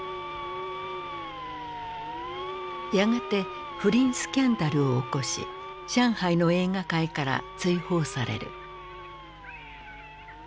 やがて不倫スキャンダルを起こし上海の映画界から追放される。